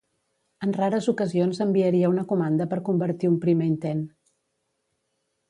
En rares ocasions enviaria una comanda per convertir un primer intent.